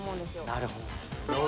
なるほど。